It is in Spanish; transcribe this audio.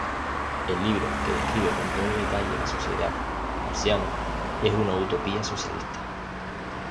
El libro, que describe con todo detalle la sociedad marciana, es una utopía socialista.